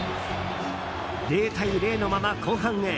０対０のまま後半へ。